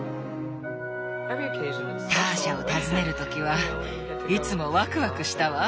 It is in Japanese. ターシャを訪ねる時はいつもワクワクしたわ。